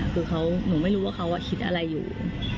คือหนูไม่รู้ว่าเขาคิดอะไรอยู่